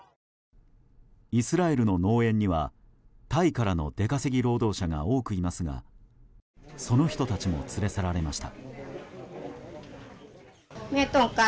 イスラエルの農園にはタイからの出稼ぎ労働者が多くいますがその人たちも連れ去られました。